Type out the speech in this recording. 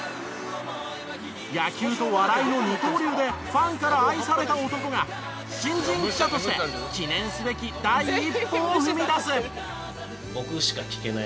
野球と笑いの二刀流でファンから愛された男が新人記者として記念すべき第一歩を踏み出す。